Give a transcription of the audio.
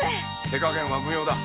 手加減は無用だ。